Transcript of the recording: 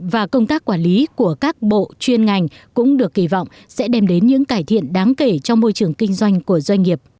và công tác quản lý của các bộ chuyên ngành cũng được kỳ vọng sẽ đem đến những cải thiện đáng kể trong môi trường kinh doanh của doanh nghiệp